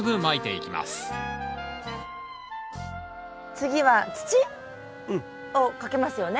次は土をかけますよね？